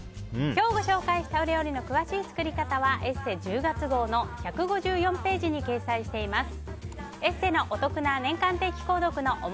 今日ご紹介したお料理の詳しい作り方は「ＥＳＳＥ」１０月号の１５４ページに掲載しています。